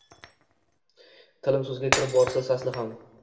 Tilim so‘zga kirib bo‘ldim sasli ham –